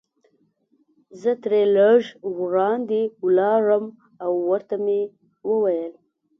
زه ترې لږ وړاندې ولاړم او ورته مې وویل.